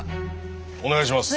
お願いします。